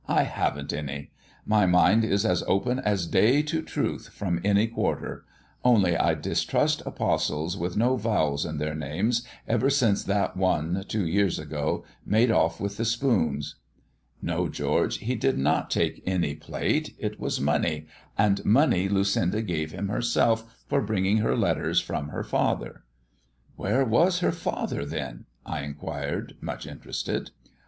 I haven't any. My mind is as open as day to truth from any quarter. Only I distrust apostles with no vowels in their names ever since that one, two years ago, made off with the spoons." "No, George, he did not take any plate. It was money, and money Lucinda gave him herself for bringing her letters from her father." "Where was her father, then?" I inquired, much interested.